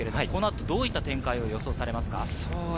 どういった展開を予想されますか？